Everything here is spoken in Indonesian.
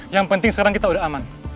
yang penting sekarang kita udah aman